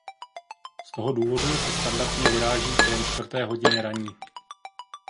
Z tohoto důvodu se standardně vyráží kolem čtvrté hodiny ranní.